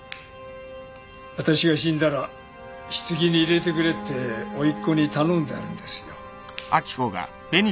私が死んだら棺に入れてくれっておいっ子に頼んであるんですよ。